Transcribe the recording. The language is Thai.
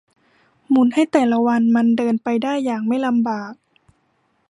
หมุนให้แต่ละวันมันเดินไปได้อย่างไม่ลำบาก